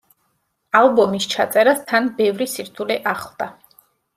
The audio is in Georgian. ალბომის ჩაწერას თან ბევრი სირთულე ახლდა.